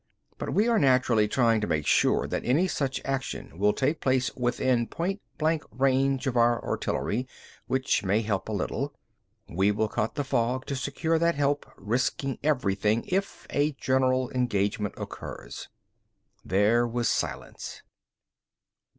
But we are naturally trying to make sure that any such action will take place within point blank range of our artillery, which may help a little. We will cut the fog to secure that help, risking everything, if a general engagement occurs." There was silence.